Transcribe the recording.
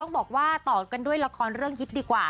บอกว่าต่อกันด้วยละครเรื่องฮิตดีกว่า